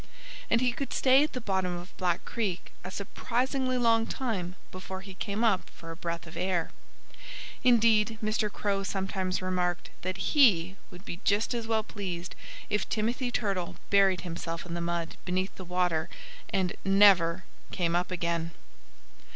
And he could stay at the bottom of Black Creek a surprisingly long time before he came up for a breath of air. Indeed, Mr. Crow sometimes remarked that he would be just as well pleased if Timothy Turtle buried himself in the mud beneath the water and never came up again!